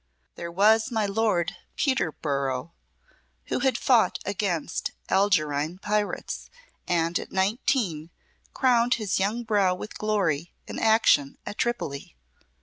There was my Lord Peterborough, who had fought against Algerine pirates, and at nineteen crowned his young brow with glory in action at Tripoli.